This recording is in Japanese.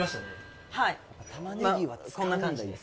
こんな感じです。